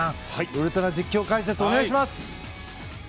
ウルトラ実況・解説をお願いします！